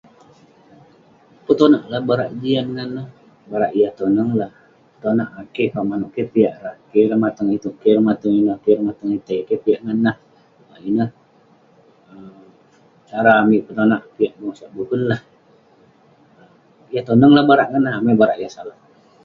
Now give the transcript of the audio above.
Petonak lah barak jian ngan neh, barak yah toneng lah. Konak eh ; keh kauk manouk, keh piak rah, keh neh mateng itouk, keh neh mateng ineh, keh neh mateng itei. Keh piak ngan nah. Ineh um cara amik petonak piak bengosak boken lah. Yah toneng lah barak ngan nah, amai barak yah salak.